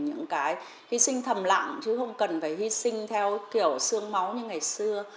những cái hy sinh thầm lặng chứ không cần phải hy sinh theo kiểu sương máu như ngày xưa